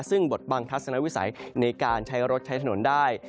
ซึ่งบทบังทัศนวิสัยในการใช้รถใช้ถนนได้